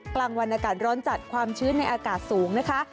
กลางวันอากาศร้อนจัดความชื้นในอากาศสูงนะคะ